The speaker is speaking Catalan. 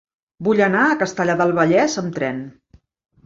Vull anar a Castellar del Vallès amb tren.